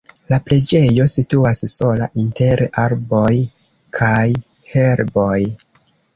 La preĝejo situas sola inter arboj kaj herboj.